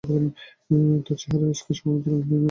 তার চেহারা একটি স্কেচ সবেমাত্র আমরা ইন্ডিয়ান আর্মি থেকে পেয়েছি।